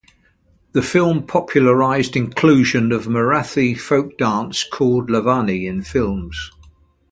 The film popularized inclusion of Marathi folk dance called Lavani in films.